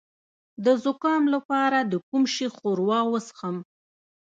د زکام لپاره د کوم شي ښوروا وڅښم؟